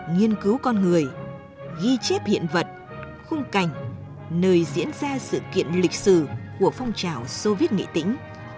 nghiên cứu con người ghi chép hiện vật khung cảnh nơi diễn ra sự kiện lịch sử của phong trào soviet nghệ tĩnh